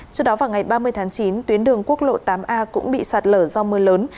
trước đó vào ngày ba mươi tháng chín tuyến đường quốc lộ tám a cũng bị sạt lở do mưa lớn